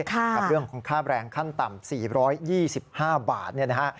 กับเรื่องของค่าแบรนดร์ขั้นต่ำ๔๒๕บาท